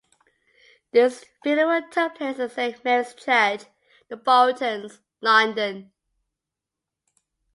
His funeral took place at Saint Mary's Church, The Boltons, London.